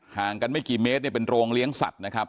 ห่างกันไม่กี่เมตรเนี่ยเป็นโรงเลี้ยงสัตว์นะครับ